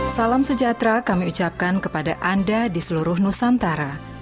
salam sejahtera kami ucapkan kepada anda di seluruh nusantara